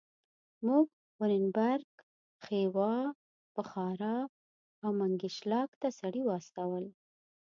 موږ اورینبرګ، خیوا، بخارا او منګیشلاک ته سړي واستول.